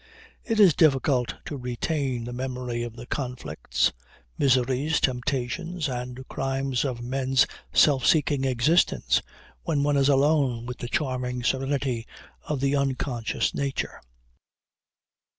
It is difficult to retain the memory of the conflicts, miseries, temptations and crimes of men's self seeking existence when one is alone with the charming serenity of the unconscious nature.